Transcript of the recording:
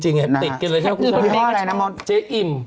เจ๊อิ่ม